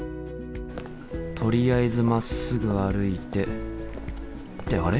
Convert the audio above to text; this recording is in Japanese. とりあえずまっすぐ歩いてってあれ？